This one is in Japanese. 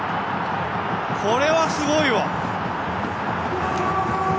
これはすごいわ！